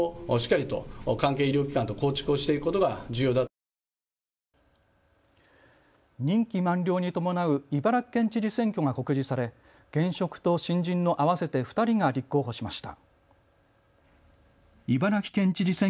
きょうの定例会見で熊谷知事は。任期満了に伴う茨城県知事選挙が告示され、現職と新人の合わせて２人が立候補しました。